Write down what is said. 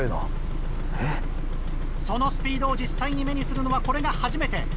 そのスピードを実際に目にするのはこれが初めて。